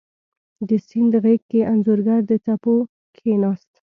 د سیند غیږ کې انځورګر د څپو کښېناست